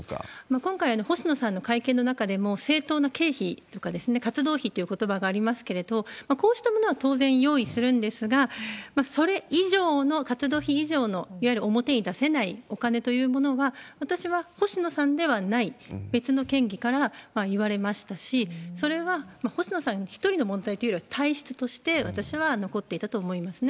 今回、星野さんの会見の中でも、正当な経費とか、活動費っていうことばがありますけれども、こうしたものは当然用意するんですが、それ以上の、活動費以上の、いわゆる表に出せないお金というものは、私は星野さんではない別の県議から言われましたし、それは星野さん一人の問題というよりは、体質として私は残っていたと思いますね。